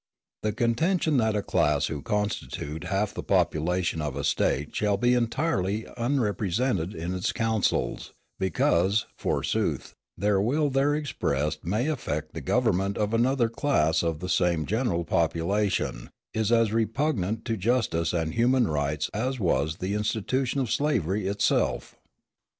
The contention that a class who constitute half the population of a State shall be entirely unrepresented in its councils, because, forsooth, their will there expressed may affect the government of another class of the same general population, is as repugnant to justice and human rights as was the institution of slavery itself.